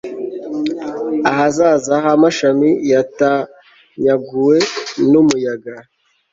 ahazaza h'amashami yatanyaguwe ni umuyaga